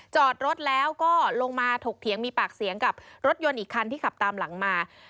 จอดรถแล้วก็ลงมาถกเถียงมีปากเสียงกับรถยนต์อีกคันที่ขับตามหลังมา